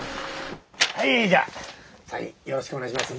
はいじゃあサインよろしくお願いします。